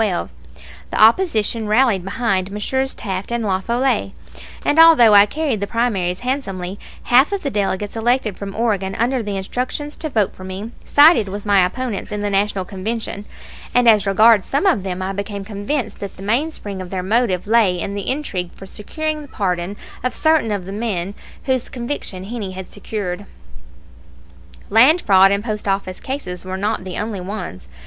The opposition rallied behind Messrs. Taft and LaFollette; and although I carried the primaries handsomely, half of the delegates elected from Oregon under instructions to vote for me, sided with my opponents in the National Convention and as regards some of them I became convinced that the mainspring of their motive lay in the intrigue for securing the pardon of certain of the men whose conviction Heney had secured. Land fraud and post office cases were not the only ones.